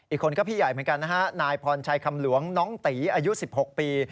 อีกคนก็พี่ใหญ่เหมือนกันนะฮะนายพรชัยคำหลวงน้องตีอายุ๑๖ปี